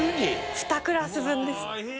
２クラス分ですね。